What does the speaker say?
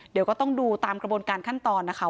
เดี๋ยวก็ต้องดูตามกระบวนการขั้นตอนนะคะ